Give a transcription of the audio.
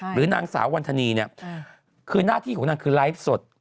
หรือนางสาววันธนีเนี่ยคือหน้าที่ของนางคือไลฟ์สด